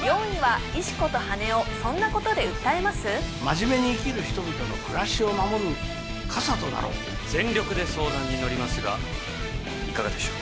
真面目に生きる人々の暮らしを守る傘となろう全力で相談にのりますがいかがでしょう